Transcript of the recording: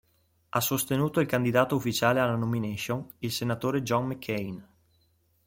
Ha sostenuto il candidato ufficiale alla nomination, il senatore John McCain.